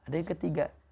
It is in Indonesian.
dan yang ketiga